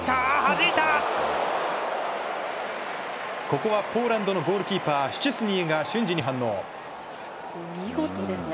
ここはポーランドのゴールキーパーシュチェスニーが瞬時に反応。